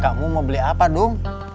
kamu mau beli apa dong